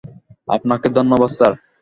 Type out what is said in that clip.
আপনাকে ধন্যবাদ, স্যার।